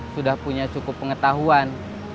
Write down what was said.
sudah punya cukup pengetahuan